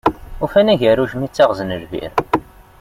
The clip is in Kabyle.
Ufan agerruj mi ttaɣzen lbir.